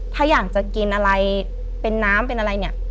ถ้าอยากจะกินอะไรเป็นน้ำเป็นอะไรเนี่ย